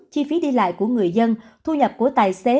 chi phí đi lại của người dân thu nhập của tài xế